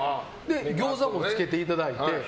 ギョーザもつけていただいて。